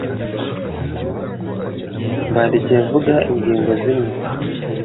mbandikiye mvuga ingingo zimwe